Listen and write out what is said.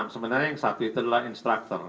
sebenarnya yang satu itu adalah instructor